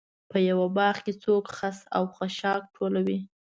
په یوه باغ کې څوک خس و خاشاک ټولوي.